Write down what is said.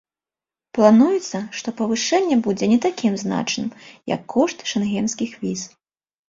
Плануецца, што павышэнне будзе не такім значным, як кошт шэнгенскіх віз.